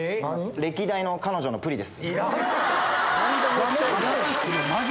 歴代の彼女のプリです。